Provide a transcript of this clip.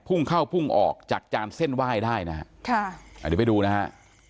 พุ่งเข้าพุ่งออกจากจานเส้นไหว้ได้นะฮะค่ะอ่าเดี๋ยวไปดูนะฮะ